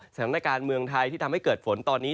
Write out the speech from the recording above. สถานการณ์เมืองไทยที่ทำให้เกิดฝนตอนนี้